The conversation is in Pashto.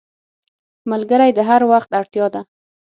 ملګری د هر وخت اړتیا ده